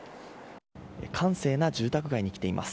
閑静な住宅街に来ています。